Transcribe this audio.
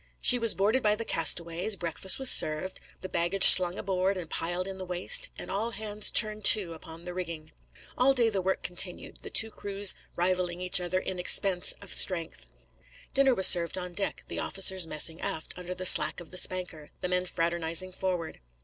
She was boarded by the castaways, breakfast was served, the baggage slung on board and piled in the waist, and all hands turned to upon the rigging. All day the work continued, the two crews rivalling each other in expense of strength. Dinner was served on deck, the officers messing aft under the slack of the spanker, the men fraternising forward.